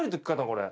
これ。